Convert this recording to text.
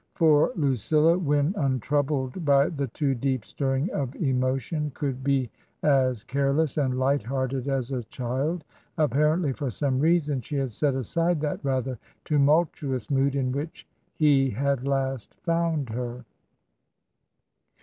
For Lucilla, when untroubled by the too deep stirring of emotion, could be as careless and light hearted as a child ; apparently, for some reason, she had set aside that rather tumultuous mood in which he had last found her.